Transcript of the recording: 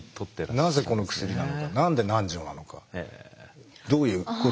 なぜこの薬なのか何で何錠なのかどういうこと。